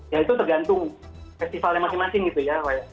ya itu tergantung festivalnya masing masing gitu ya